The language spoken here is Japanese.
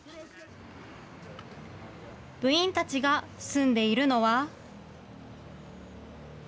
部員たちが住んでいるのは。